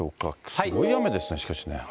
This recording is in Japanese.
すごい雨ですね、しかしね。